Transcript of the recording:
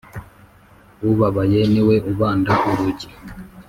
Ubabaye niwe ubanda urugi.